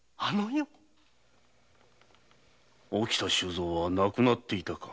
沖田収蔵は亡くなっていたか。